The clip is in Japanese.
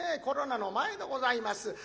コロナの前でございます。